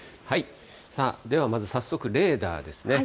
ではまず早速、レーダーですね。